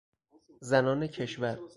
زنان کشور